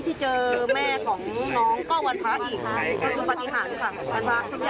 ไม่ได้พักเลย